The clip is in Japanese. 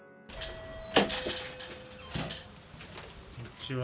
こんにちは。